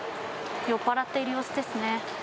酔っ払っている様子ですね。